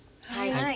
はい。